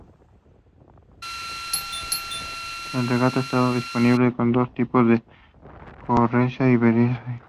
El Regata estaba disponible con dos tipos de carrocería: berlina y familiar.